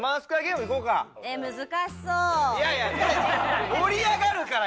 いやいや盛り上がるから！